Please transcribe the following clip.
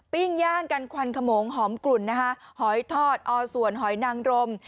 ย่างกันควันขโมงหอมกลุ่นนะคะหอยทอดอสวนหอยนางรม